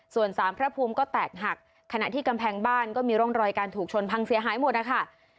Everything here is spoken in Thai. ส่วนสารพระภูมิก็แตกหักขณะที่กำแพงบ้านก็มีร่องรอยการถูกชนพังเสียหายหมดนะคะ